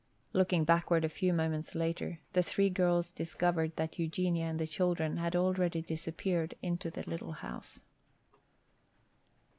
Looking backward a few moments later, the three girls discovered that Eugenia and the children had already disappeared inside the little house.